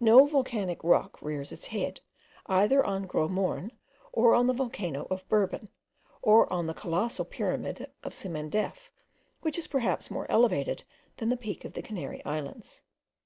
No volcanic rock rears its head, either on the Gros Morne, or on the volcano of Bourbon, or on the colossal pyramid of Cimandef, which is perhaps more elevated than the Peak of the Canary Islands.